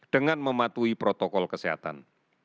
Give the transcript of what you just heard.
dengan mematuhi protokol kesehatan